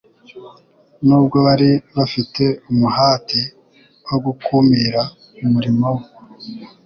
Nubwo bari bafite umuhati wo gukumira umurimo We,